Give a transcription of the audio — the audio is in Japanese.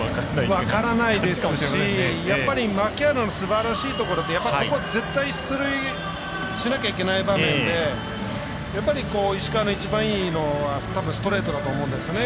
分からないですし牧原のすばらしいところってここ、絶対に出塁しなきゃいけない場面で石川の一番いいのはたぶんストレートだと思うんですね。